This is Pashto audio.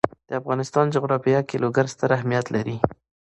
د افغانستان جغرافیه کې لوگر ستر اهمیت لري.